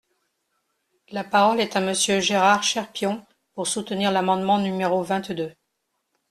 La parole est à Monsieur Gérard Cherpion, pour soutenir l’amendement numéro vingt-deux.